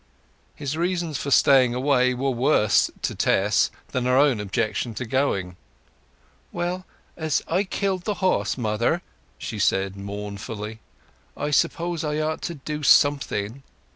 His reasons for staying away were worse to Tess than her own objections to going. "Well, as I killed the horse, mother," she said mournfully, "I suppose I ought to do something.